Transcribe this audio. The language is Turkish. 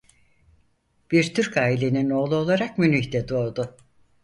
Bir Türk ailenin oğlu olarak Münih'te doğdu.